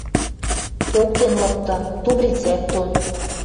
Поктен лыкты. Тум рицӓк дон